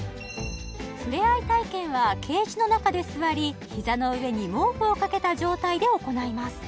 触れ合い体験はケージの中で座りひざの上に毛布をかけた状態で行います